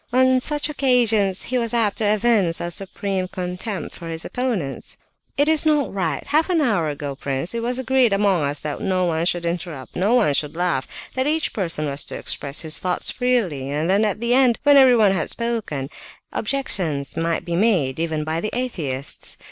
On such occasions he was apt to evince a supreme contempt for his opponents. "It is not right! Half an hour ago, prince, it was agreed among us that no one should interrupt, no one should laugh, that each person was to express his thoughts freely; and then at the end, when everyone had spoken, objections might be made, even by the atheists.